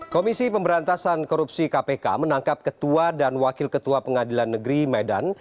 komisi pemberantasan korupsi kpk menangkap ketua dan wakil ketua pengadilan negeri medan